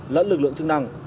lẫn lực lượng chức năng